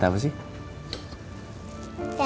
tante rosa ulang tahun